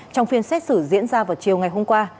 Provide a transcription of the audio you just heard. trong phiên xét xử diễn ra vào chiều ngày hôm qua